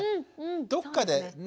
どっかでね？